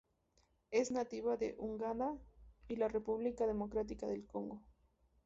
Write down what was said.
Es nativa de Uganda y la República Democrática del Congo.